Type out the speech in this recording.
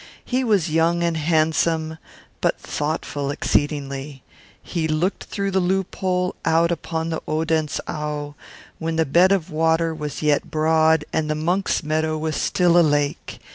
He was young and handsome, but thoughtful exceedingly. He looked through the loophole out upon the Odense Au, when the bed of the water was yet broad, and the monks' meadow was still a lake.